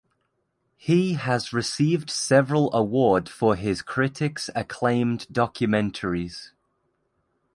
He has received several award for his critics acclaimed documentaries.